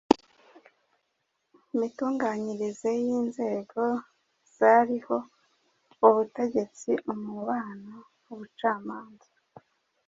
Imitunganyirize y'inzego zariho: (ubutegetsi, umubano, ubucamanza)